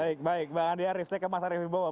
baik baik bang andi arief saya ke mas arief wibowo